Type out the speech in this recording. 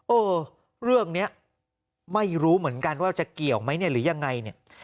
เออเรื่องนี้ไม่รู้เหมือนกันว่าจะเกี่ยวไหมเนี่ยหรือยังไงเนี่ย